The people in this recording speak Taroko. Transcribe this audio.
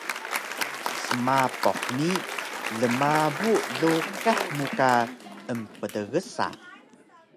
Smapuh ni lmabu luqih mu ka emptgsa